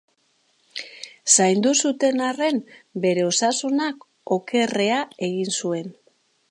Zaindu zuten arren, bere osasunak okerrea egin zuen.